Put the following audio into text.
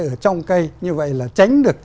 ở trong cây như vậy là tránh được